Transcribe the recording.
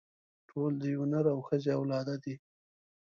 ټول د يوه نر او ښځې اولاده دي.